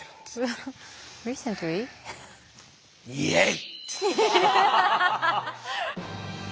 イエイ！